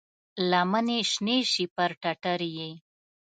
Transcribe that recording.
لمنې شنې شي پر ټټر یې،